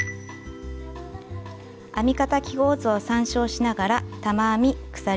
編み方記号図を参照しながら玉編み鎖